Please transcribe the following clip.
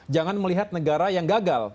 jangan melihat negara yang gagal